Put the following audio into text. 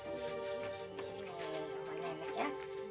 sama nenek ya